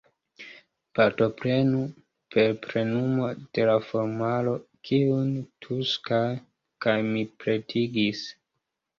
Partoprenu per plenumo de la formularo, kiun Tuŝka kaj mi pretigis.